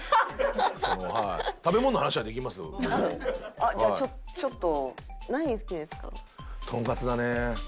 あっじゃあちょっと。